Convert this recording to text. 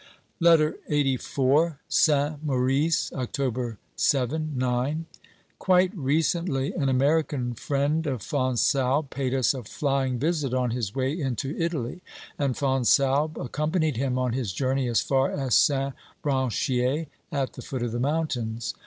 LETTER LXXXIV Saint Maurice, October 7 (IX). Quite recently an American friend of Fonsalbe paid us a flying visit on his way into Italy, and Fonsalbe accom panied him on his journey as far as Saint Branchier, at the foot of the mountains.